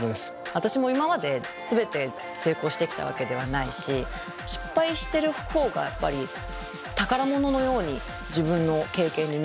私も今まで全て成功してきたわけではないし失敗してるほうがやっぱり宝物のように自分の経験になってる。